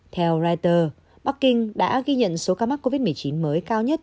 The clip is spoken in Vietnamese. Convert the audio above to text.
theo reuters bắc kinh đã ghi nhận số ca mắc covid một mươi chín mới cao nhất